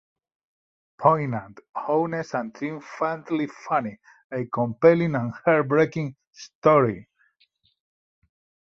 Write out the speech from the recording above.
Poignant, honest and triumphantly funny... A compelling and heartbreaking story.